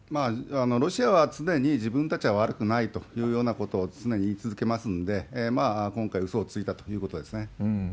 ロシアは常に自分たちは悪くないというようなことを常に言い続けますんで、今回、うそをついたということですね。